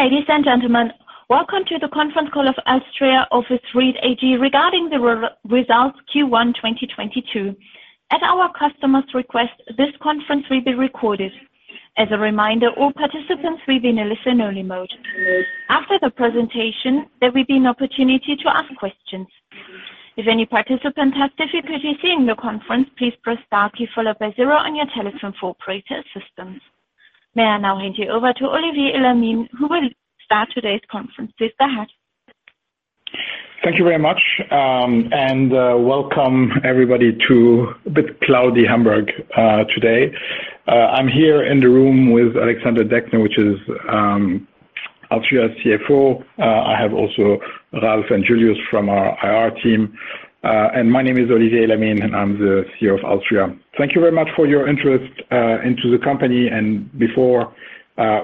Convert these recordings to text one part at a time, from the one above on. Dear ladies and gentlemen, welcome to the conference call of alstria office REIT-AG regarding the results Q1 2022. At our customer's request, this conference will be recorded. As a reminder, all participants will be in a listen-only mode. After the presentation, there will be an opportunity to ask questions. If any participants have difficulty seeing the conference, please press star key followed by zero on your telephone for operator assistance. May I now hand you over to Olivier Elamine, who will start today's conference. Please go ahead. Thank you very much and welcome everybody to the cloudy Hamburg today. I'm here in the room with Alexander Dexne, which is alstria's CFO. I have also Ralph and Julius from our IR team. My name is Olivier Elamine, and I'm the CEO of alstria. Thank you very much for your interest in the company. Before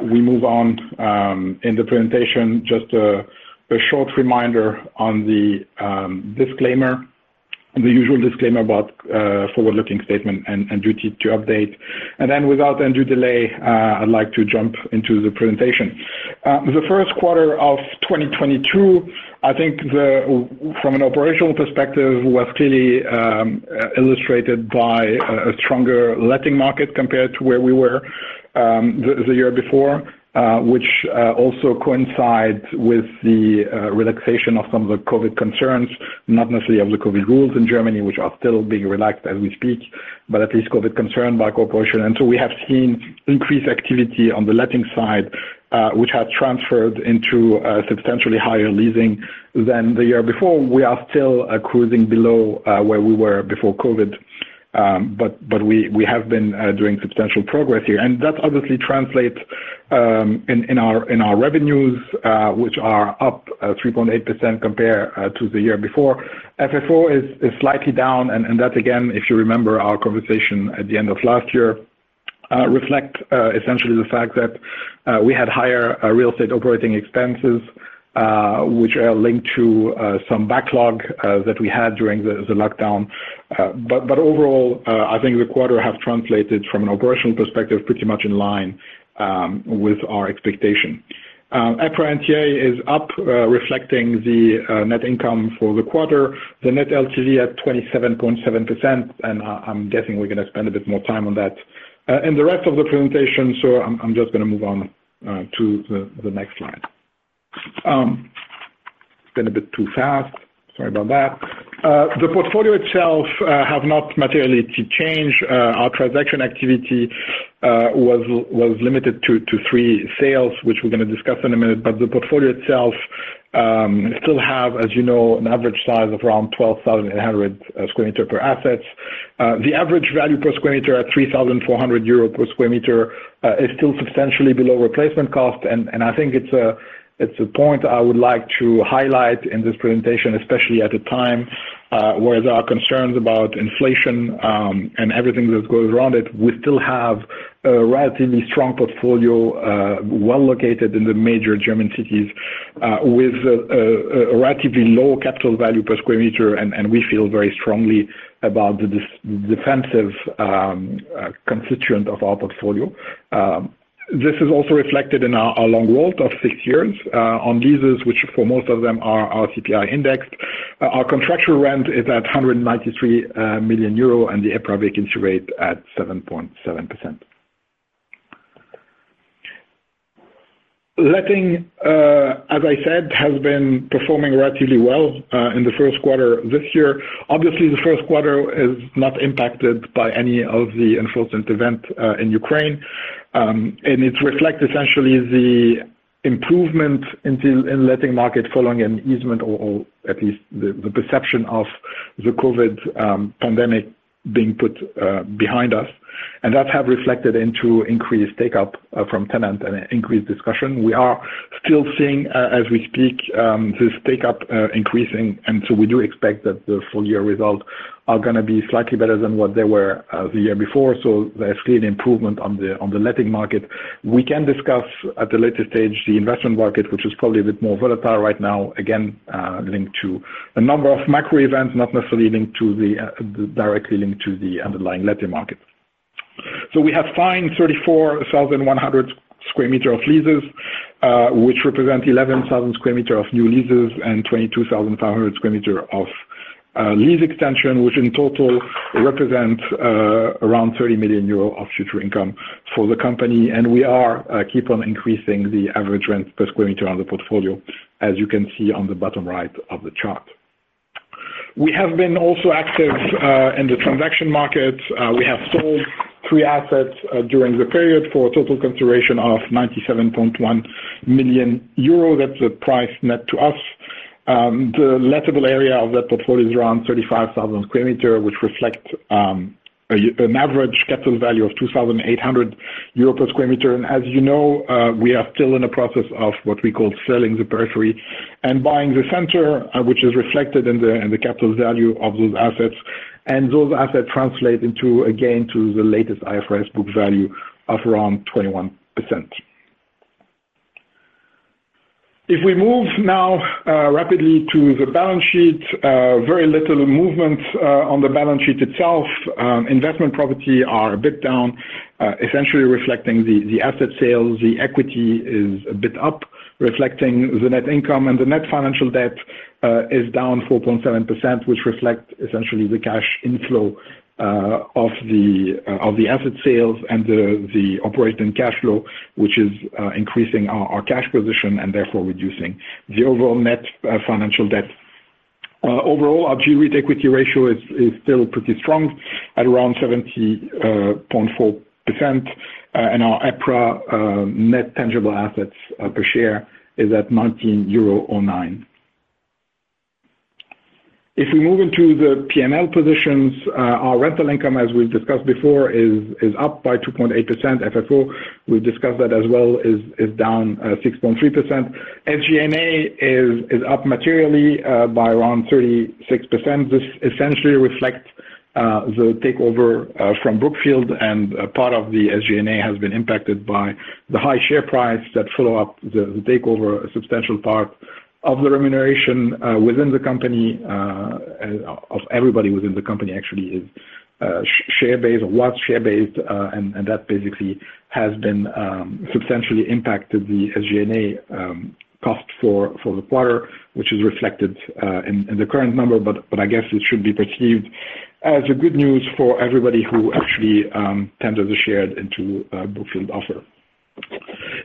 we move on in the presentation, just a short reminder on the disclaimer, the usual disclaimer about forward-looking statement and duty to update. Then without any delay, I'd like to jump into the presentation. The first quarter of 2022, I think from an operational perspective was clearly illustrated by a stronger letting market compared to where we were the year before, which also coincides with the relaxation of some of the COVID concerns. Not necessarily of the COVID rules in Germany, which are still being relaxed as we speak, but at least COVID concern by corporation. We have seen increased activity on the letting side, which has transferred into substantially higher leasing than the year before. We are still cruising below where we were before COVID, but we have been doing substantial progress here. That obviously translates in our revenues, which are up 3.8% compared to the year before. FFO is slightly down, and that, again, if you remember our conversation at the end of last year, reflects essentially the fact that we had higher real estate operating expenses, which are linked to some backlog that we had during the lockdown. Overall, I think the quarter has translated from an operational perspective, pretty much in line with our expectation. EPRA NTA is up, reflecting the net income for the quarter. The net LTV at 27.7%, and I'm guessing we're gonna spend a bit more time on that in the rest of the presentation, so I'm just gonna move on to the next slide. It's been a bit too fast. Sorry about that. The portfolio itself has not materially changed. Our transaction activity was limited to 3 sales, which we're gonna discuss in a minute. The portfolio itself still have, as you know, an average size of around 12,800 square meter per assets. The average value per square meter at 3,400 euro per square meter is still substantially below replacement cost. I think it's a point I would like to highlight in this presentation, especially at a time where there are concerns about inflation and everything that goes around it. We still have a relatively strong portfolio, well located in the major German cities, with a relatively low capital value per square meter, and we feel very strongly about the defensive constituent of our portfolio. This is also reflected in our long WALT of six years on leases, which for most of them are CPI indexed. Our contractual rent is at 193 million euro, and the EPRA vacancy rate at 7.7%. Letting, as I said, has been performing relatively well in the first quarter this year. Obviously, the first quarter is not impacted by any of the unfortunate event in Ukraine. It reflects essentially the improvement in letting market following an easing or at least the perception of the COVID pandemic being put behind us. That have reflected into increased take-up from tenant and increased discussion. We are still seeing, as we speak, this take-up increasing, and so we do expect that the full year results are gonna be slightly better than what they were, the year before. There's clear improvement on the letting market. We can discuss at a later stage the investment market, which is probably a bit more volatile right now. Again, linked to a number of macro events, not necessarily directly linked to the underlying letting markets. We have signed 34,100 square meters of leases, which represent 11,000 square meters of new leases and 22,500 square meters of lease extension, which in total represent around 30 million euro of future income for the company. We are keep on increasing the average rent per square meter on the portfolio, as you can see on the bottom right of the chart. We have been also active in the transaction market. We have sold three assets during the period for a total consideration of 97.1 million euro. That's the price net to us. The lettable area of that portfolio is around 35,000 square meter, which reflect an average capital value of 2,800 euro per square meter. As you know, we are still in the process of what we call selling the periphery and buying the center, which is reflected in the capital value of those assets. Those assets translate into, again, to the latest IFRS book value of around 21%. If we move now rapidly to the balance sheet, very little movement on the balance sheet itself. Investment property are a bit down, essentially reflecting the asset sales. The equity is a bit up, reflecting the net income. The net financial debt is down 4.7%, which reflects essentially the cash inflow of the asset sales and the operating cash flow, which is increasing our cash position and therefore reducing the overall net financial debt. Overall, our G-REIT equity ratio is still pretty strong at around 70.4%. And our EPRA net tangible assets per share is at 19.90 euro. If we move into the P&L positions, our rental income, as we've discussed before, is up by 2.8%. FFO, we've discussed that as well, is down 6.3%. SG&A is up materially by around 36%. This essentially reflects the takeover from Brookfield, and a part of the SG&A has been impacted by the high share price that followed the takeover. A substantial part of the remuneration within the company and of everybody within the company actually is share-based or was share-based. And that basically has substantially impacted the SG&A cost for the quarter, which is reflected in the current number. I guess it should be perceived as a good news for everybody who actually tendered the share into Brookfield offer.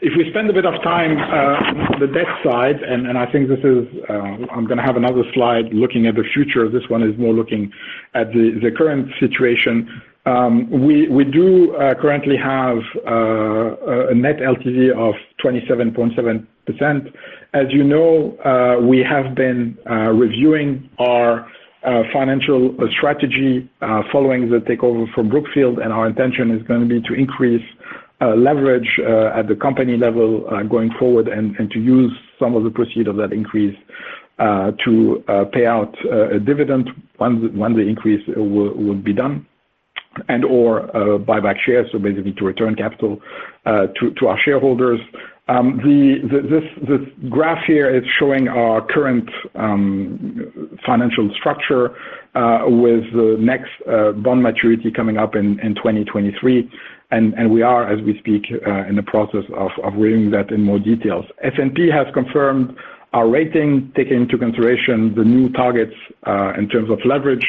If we spend a bit of time on the debt side, I think this is. I'm gonna have another slide looking at the future. This one is more looking at the current situation. We currently have a net LTV of 27.7%. As you know, we have been reviewing our financial strategy following the takeover from Brookfield, and our intention is gonna be to increase leverage at the company level going forward and to use some of the proceeds of that increase to pay out a dividend once the increase will be done and/or buy back shares, so basically to return capital to our shareholders. This graph here is showing our current financial structure with the next bond maturity coming up in 2023. We are, as we speak, in the process of refinancing that in more details. S&P has confirmed our rating, taking into consideration the new targets in terms of leverage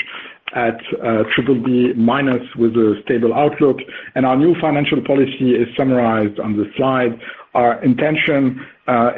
at BBB- with a stable outlook. Our new financial policy is summarized on this slide. Our intention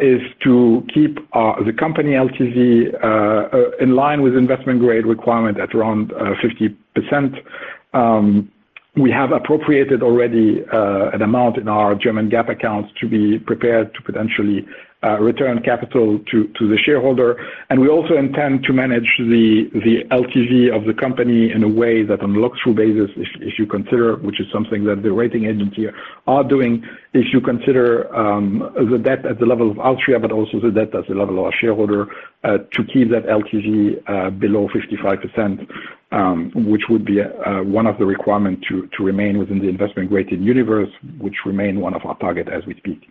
is to keep the company LTV in line with investment grade requirement at around 50%. We have appropriated already an amount in our German GAAP accounts to be prepared to potentially return capital to the shareholder. We also intend to manage the LTV of the company in a way that on look-through basis if you consider, which is something that the rating agency are doing, if you consider, the debt at the level of alstria, but also the debt at the level of our shareholder, to keep that LTV below 55%, which would be one of the requirement to remain within the investment graded universe, which remain one of our target as we speak.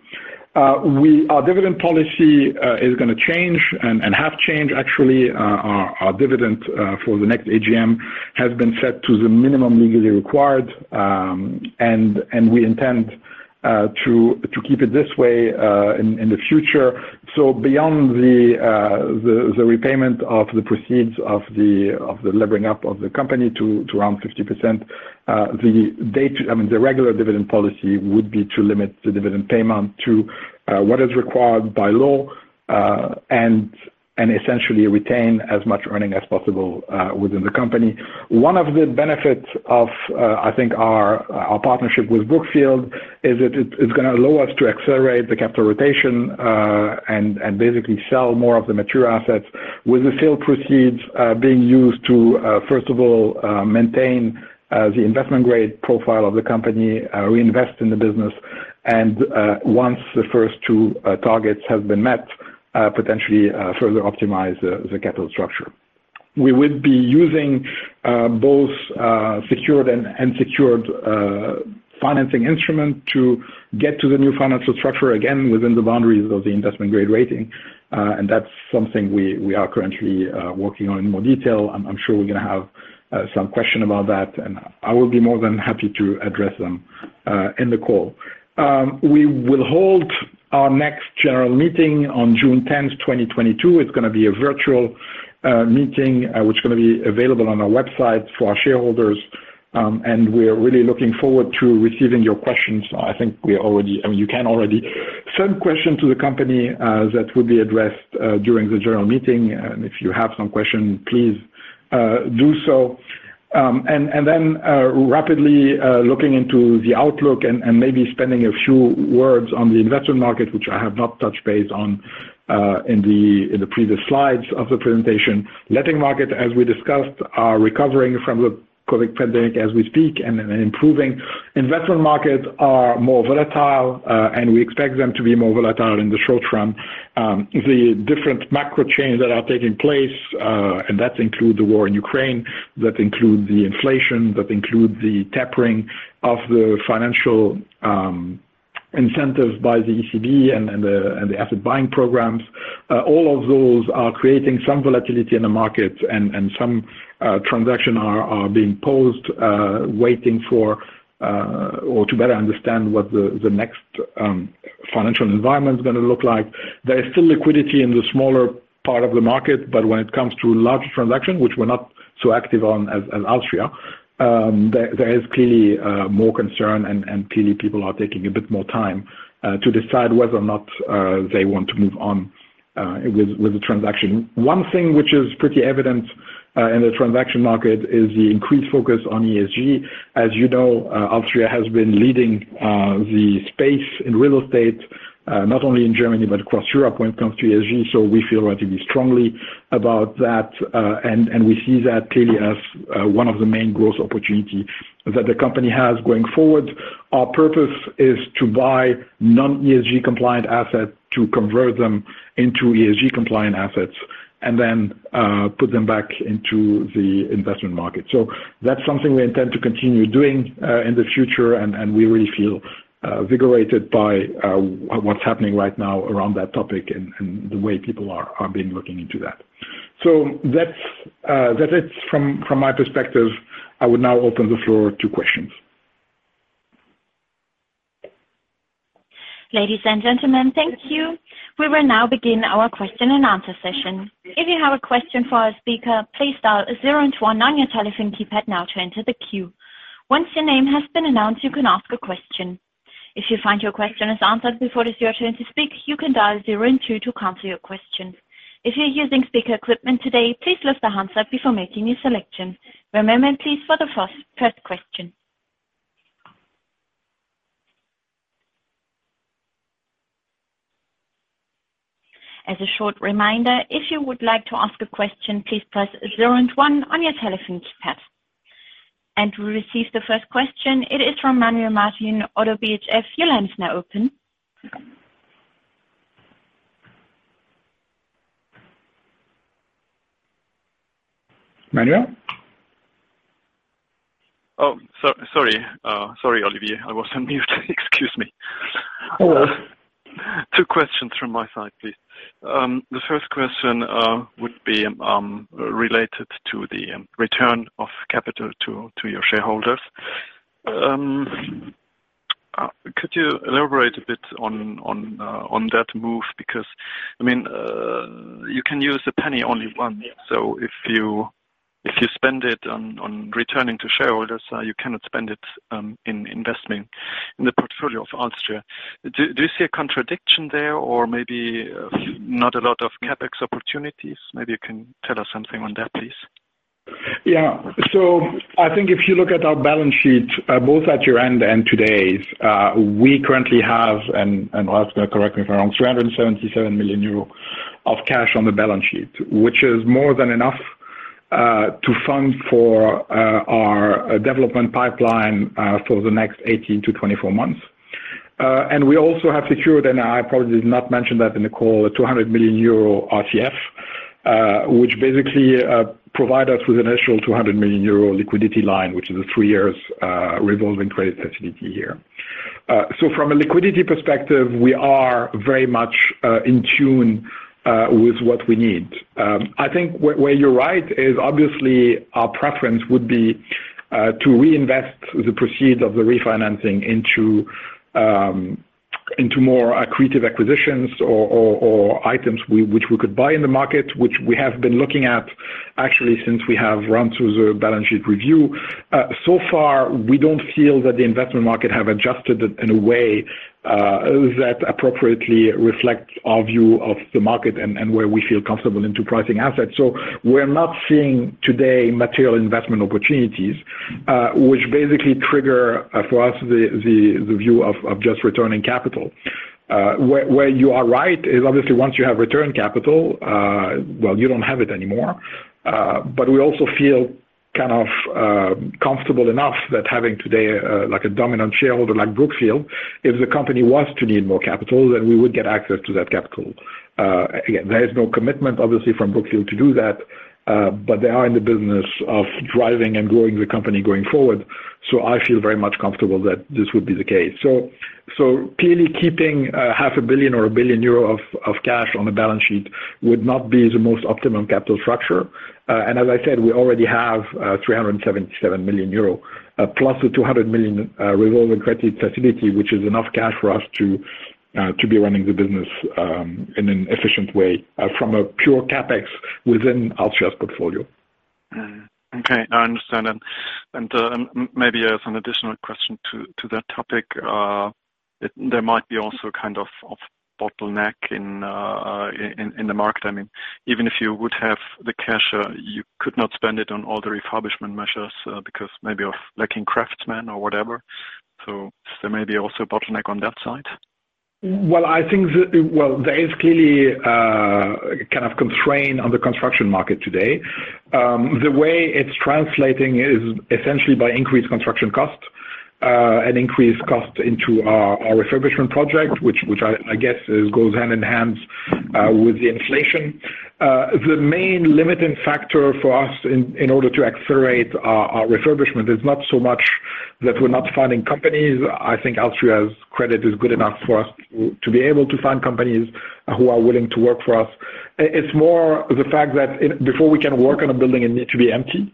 Our dividend policy is gonna change and have changed actually. Our dividend for the next AGM has been set to the minimum legally required. We intend to keep it this way in the future. Beyond the repayment of the proceeds of the levering up of the company to around 50%, I mean, the regular dividend policy would be to limit the dividend payment to what is required by law and essentially retain as much earnings as possible within the company. One of the benefits of, I think our partnership with Brookfield is it is gonna allow us to accelerate the capital rotation, and basically sell more of the mature assets with the sale proceeds being used to first of all maintain the investment grade profile of the company, reinvest in the business. Once the first two targets have been met, potentially further optimize the capital structure. We would be using both secured and unsecured financing instruments to get to the new financial structure again within the boundaries of the investment grade rating. That's something we are currently working on in more detail. I'm sure we're gonna have some question about that, and I will be more than happy to address them in the call. We will hold our next general meeting on June tenth, 2022. It's gonna be a virtual meeting, which is gonna be available on our website for our shareholders. We're really looking forward to receiving your questions. You can already send questions to the company that will be addressed during the general meeting. If you have some question, please do so. Rapidly looking into the outlook and maybe spending a few words on the investment market, which I have not touched base on in the previous slides of the presentation. Letting markets, as we discussed, are recovering from the COVID pandemic as we speak and improving. Investment markets are more volatile, and we expect them to be more volatile in the short term. The different macro changes that are taking place, and that include the war in Ukraine, that include the inflation, that include the tapering of the financial incentives by the ECB and the, and the asset-buying programs. All of those are creating some volatility in the market and some transactions are being paused, waiting for or to better understand what the next financial environment is gonna look like. There is still liquidity in the smaller part of the market, but when it comes to large transactions, which we're not so active on as alstria, there is clearly more concern and clearly people are taking a bit more time to decide whether or not they want to move on with the transaction. One thing which is pretty evident in the transaction market is the increased focus on ESG. As you know, alstria has been leading the space in real estate not only in Germany but across Europe when it comes to ESG, so we feel relatively strongly about that. We see that clearly as one of the main growth opportunity that the company has going forward. Our purpose is to buy non-ESG compliant assets to convert them into ESG compliant assets and then put them back into the investment market. That's something we intend to continue doing in the future, and we really feel invigorated by what's happening right now around that topic and the way people are been looking into that. That's it from my perspective. I would now open the floor to questions. Ladies and gentlemen, thank you. We will now begin our question and answer session. If you have a question for our speaker, please dial zero and one on your telephone keypad now to enter the queue. Once your name has been announced, you can ask a question. If you find your question is answered before it is your turn to speak, you can dial zero and two to cancel your question. If you're using speaker equipment today, please lift the handset before making your selection. Reminder please for the first press question. As a short reminder, if you would like to ask a question, please press zero and one on your telephone keypad. We receive the first question. It is from Manuel Martin, ODDO BHF. Your line is now open. Manuel? Oh, sorry, Olivier. I was on mute. Excuse me. Hello. Two questions from my side, please. The first question would be related to the return of capital to your shareholders. Could you elaborate a bit on that move? Because, I mean, you can use a penny only once. So if you spend it on returning to shareholders, you cannot spend it in investing in the portfolio of alstria. Do you see a contradiction there or maybe not a lot of CapEx opportunities? Maybe you can tell us something on that, please. Yeah. I think if you look at our balance sheet, both at year-end and today's, we currently have, and Oscar correct me if I'm wrong, 377 million euro of cash on the balance sheet. Which is more than enough to fund our development pipeline for the next 18-24 months. We also have secured, and I probably did not mention that in the call, a 200 million euro RCF, which basically provide us with an initial 200 million euro liquidity line, which is a 3 years revolving credit facility here. From a liquidity perspective, we are very much in tune with what we need. I think where you're right is obviously our preference would be to reinvest the proceeds of the refinancing into more accretive acquisitions or items which we could buy in the market, which we have been looking at actually since we have run through the balance sheet review. So far, we don't feel that the investment market has adjusted it in a way that appropriately reflects our view of the market and where we feel comfortable into pricing assets. We're not seeing today material investment opportunities, which basically trigger for us the view of just returning capital. Where you are right is obviously once you have returned capital, well, you don't have it anymore. We also feel kind of comfortable enough that having today like a dominant shareholder like Brookfield, if the company was to need more capital, then we would get access to that capital. Again, there is no commitment obviously from Brookfield to do that, but they are in the business of driving and growing the company going forward. I feel very much comfortable that this would be the case. Clearly keeping EUR half a billion or 1 billion of cash on the balance sheet would not be the most optimum capital structure. As I said, we already have 377 million euro plus the 200 million revolving credit facility, which is enough cash for us to be running the business in an efficient way from a pure CapEx within alstria's portfolio. Mm-hmm. Okay. I understand. Maybe as an additional question to that topic. There might be also a kind of bottleneck in the market. I mean, even if you would have the cash, you could not spend it on all the refurbishment measures, because maybe of lacking craftsmen or whatever. There may be also a bottleneck on that side? Well, there is clearly a kind of constraint on the construction market today. The way it's translating is essentially by increased construction costs, and increased costs into our refurbishment project, which I guess goes hand in hand with the inflation. The main limiting factor for us in order to accelerate our refurbishment is not so much that we're not finding companies. I think alstria's credit is good enough for us to be able to find companies who are willing to work for us. It's more the fact that before we can work on a building, it needs to be empty,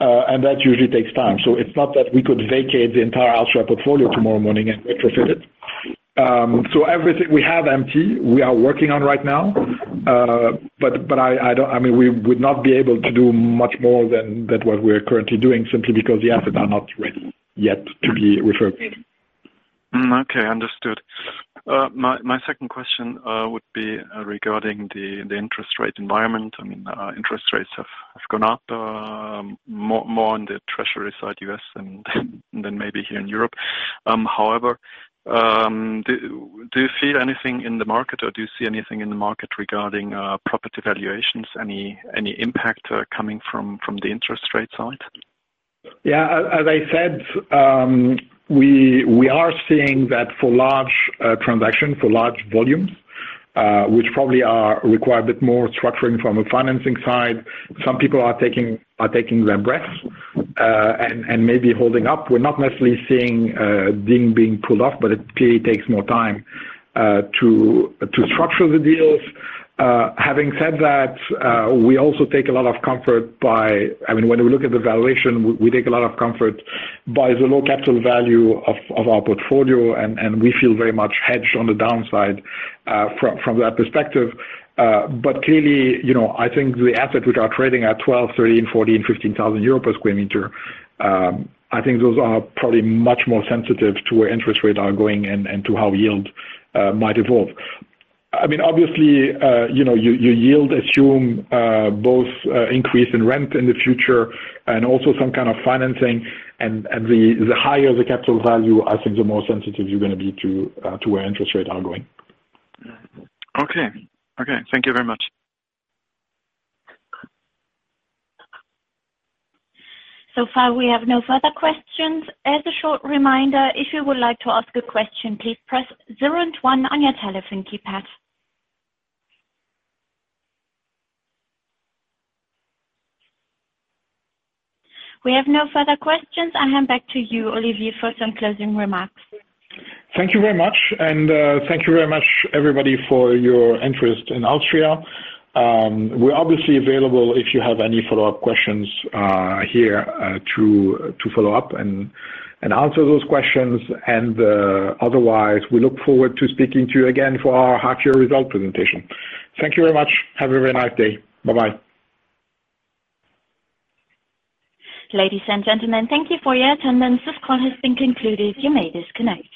and that usually takes time. It's not that we could vacate the entire alstria portfolio tomorrow morning and retrofit it. Everything we have empty, we are working on right now. I don't. I mean, we would not be able to do much more than what we're currently doing simply because the assets are not ready yet to be refurbished. Okay. Understood. My second question would be regarding the interest rate environment. I mean, interest rates have gone up more on the Treasury side, U.S., and then maybe here in Europe. However, do you feel anything in the market or do you see anything in the market regarding property valuations? Any impact coming from the interest rate side? Yeah. As I said, we are seeing that for large transactions, for large volumes, which probably require a bit more structuring from a financing side. Some people are taking their breaths, and maybe holding up. We're not necessarily seeing a deal being pulled off, but it clearly takes more time to structure the deals. Having said that, I mean, when we look at the valuation, we take a lot of comfort by the low capital value of our portfolio, and we feel very much hedged on the downside, from that perspective. Clearly, you know, I think the assets which are trading at 12,000-15,000 euros per sq m, I think those are probably much more sensitive to where interest rates are going and to how yield might evolve. I mean, obviously, you know, you'll assume both increase in rent in the future and also some kind of financing and the higher the capital value, I think the more sensitive you're gonna be to where interest rates are going. Okay. Thank you very much. So far, we have no further questions. As a short reminder, if you would like to ask a question, please press 0 and 1 on your telephone keypad. We have no further questions. I hand back to you, Olivier, for some closing remarks. Thank you very much, everybody, for your interest in alstria. We're obviously available if you have any follow-up questions here to follow up and answer those questions. Otherwise, we look forward to speaking to you again for our half year result presentation. Thank you very much. Have a very nice day. Bye-bye. Ladies and gentlemen, thank you for your attendance. This call has been concluded. You may disconnect.